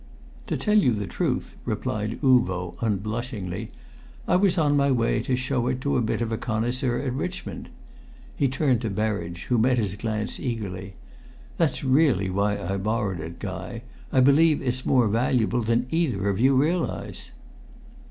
"To tell you the truth," replied Uvo, unblushingly, "I was on my way to show it to a bit of a connoisseur at Richmond." He turned to Berridge, who met his glance eagerly. "That's really why I borrowed it, Guy. I believe it's more valuable than either of you realise."